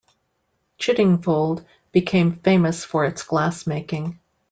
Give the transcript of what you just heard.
Chiddingfold became famous for its glass-making.